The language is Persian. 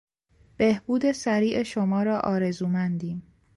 بهبود سریع شما را آرزومندیم.